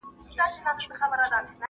موږ پر کتاب ليکل کوو.